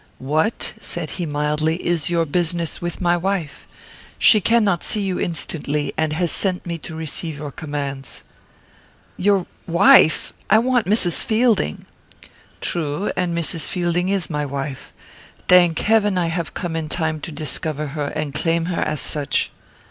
"What," said he, mildly, "is your business with my wife? She cannot see you instantly, and has sent me to receive your commands." "Your wife! I want Mrs. Fielding." "True; and Mrs. Fielding is my wife. Thank Heaven, I have come in time to discover her, and claim her as such."